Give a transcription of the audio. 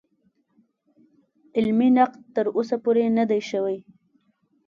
علمي نقد تر اوسه پورې نه دی شوی.